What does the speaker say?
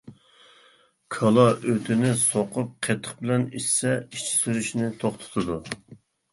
كالا ئۆتىنى سوقۇپ قېتىق بىلەن ئىچسە، ئىچى سۈرۈشنى توختىتىدۇ.